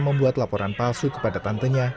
membuat laporan palsu kepada tantenya